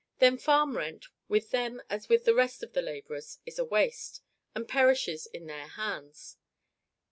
Then farm rent, with them as with the rest of the laborers, is a waste, and perishes in their hands.